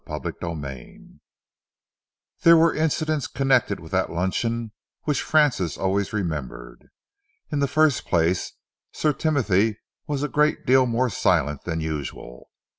CHAPTER XXIX There were incidents connected with that luncheon which Francis always remembered. In the first place, Sir Timothy was a great deal more silent than usual.